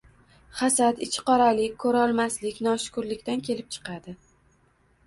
Hasad, ichiqoralik, ko‘rolmaslik noshukrlikdan kelib chiqadi.